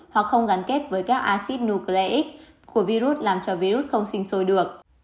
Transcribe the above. hoặc không gắn kết với các acid nucleic của virus làm cho virus không sinh sôi được